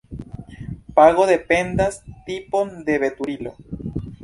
Pago dependas tipon de veturilo.